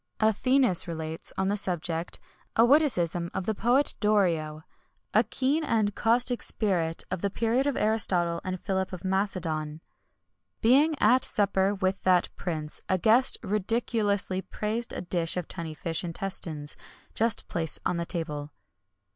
Athenæus relates, on this subject, a witticism of the poet Dorio, a keen and caustic spirit of the period of Aristotle and Philip of Macedon. Being at supper with that prince, a guest ridiculously praised a dish of tunny fish intestines, just placed on the table.